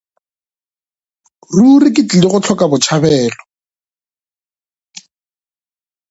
Ruri ba tlile go hloka botšhabelo.